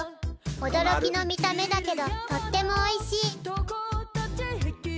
「驚きの見た目だけどとってもおいしい」